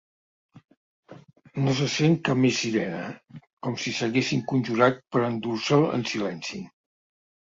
No se sent cap més sirena, com si s'haguessin conjurat per endur-se'l en silenci.